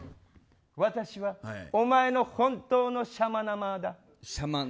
私はお前の本当のシャマナマーだ。